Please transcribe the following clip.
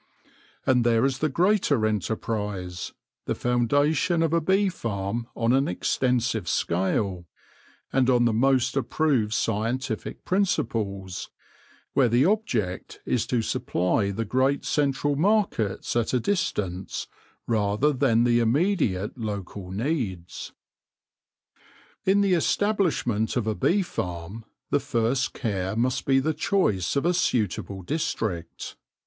And there is the greater enterprise, the foundation of a bee farm on an extensive scale, and on the most approved scientific principles, where the object is to supply the great central markets at a distance rather than the immediate local needs. In the establishment of a bee farm the first care must be the choice of a suitable district.